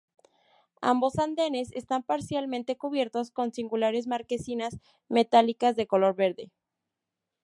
Ambos andenes está parcialmente cubiertos con singulares marquesinas metálicas de color verde.